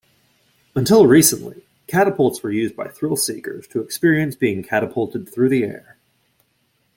Until recently, catapults were used by thrill-seekers to experience being catapulted through the air.